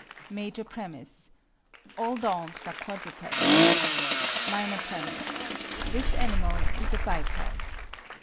MAJOR PREMISE: All dogs are quadrupeds. MINOR PREMISE: This animal is a biped.